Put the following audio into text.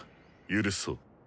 許そう。